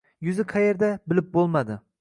Yuzi qaerda, bilib bo‘lmadi.